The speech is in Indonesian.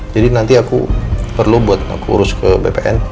jadi nanti aku perlu buat aku urus ke bpn